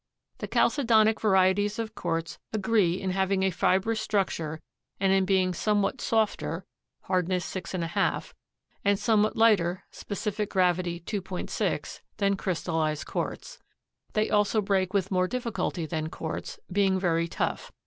The chalcedonic varieties of quartz agree in having a fibrous structure and in being somewhat softer (hardness 6½) and somewhat lighter (specific gravity 2.6) than crystallized quartz. They also break with more difficulty than quartz, being very tough.